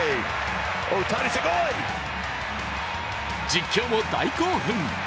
実況も大興奮。